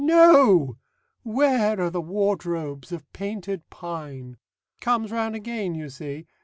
No! Where are the wardrobes of Painted Pine?' "Comes round again, you see!